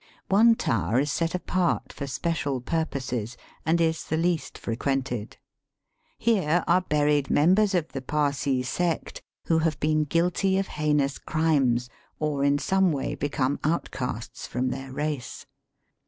One tower is set apart for special purposes, and is the least frequented. Here are buried members of the Parsee sect who have been guilty of heinous crimes or in some way become outcasts from their race.